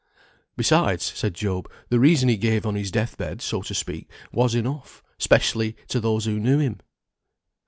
"Besides," said Job, "the reason he gave on his death bed, so to speak, was enough; 'specially to those who knew him."